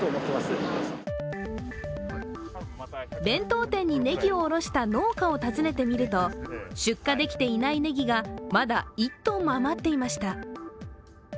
弁当店にねぎをおろした農家を訪ねてみると出荷できていないねぎがまだ１ｔも余っていました。